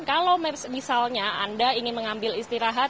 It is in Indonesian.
kalau misalnya anda ingin mengambil istirahat